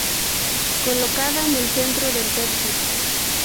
Colocada en el centro del tercio.